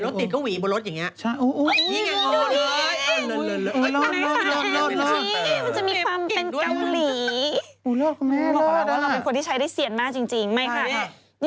บอกล่ะเรามันคนที่ใช้ได้เสียงมากจริงไม่ค่ะ